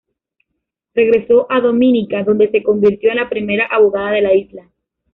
Regresó a Dominica, donde se convirtió en la primera abogada de la isla.